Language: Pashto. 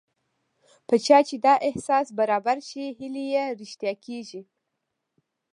په چا چې دا احساس برابر شي هیلې یې رښتیا کېږي